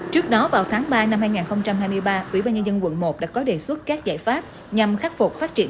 trước đó vào tháng ba năm hai nghìn hai mươi ba ubnd quận một đã có đề xuất các giải pháp nhằm khắc phục phát triển